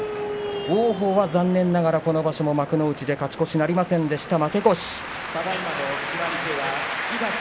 王鵬は残念ながらこの場所も幕内勝ち越しはなりませんでした。